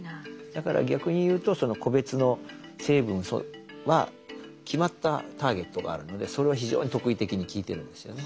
だから逆に言うとその個別の成分は決まったターゲットがあるのでそれは非常に特異的に効いてるんですよね。